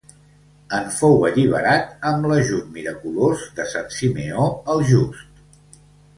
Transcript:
En fou alliberat amb l'ajut miraculós de Sant Simeó el Just.